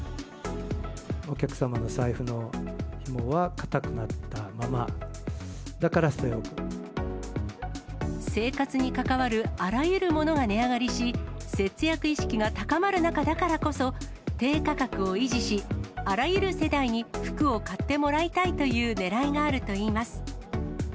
お客様の財布のひもは固くな生活に関わるあらゆるものが値上がりし、節約意識が高まる中だからこそ、低価格を維持し、あらゆる世代に服を買ってもらいたいというねらいがあるといいます。